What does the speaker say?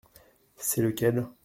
C’est lequel ?